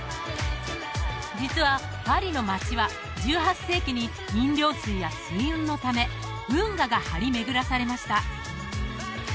実はパリの町は１８世紀に飲料水や水運のため運河が張り巡らされました